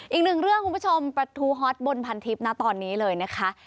อีกหนึ่งเรื่องคุณผู้ชมประทูฮอตบนพันทิพย์นะตอนนี้เลยนะคะ